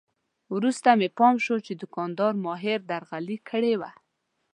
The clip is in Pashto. وروسته مې پام شو چې دوکاندار ماهره درغلي کړې وه.